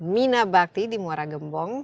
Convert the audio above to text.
mina bakti di muara gembong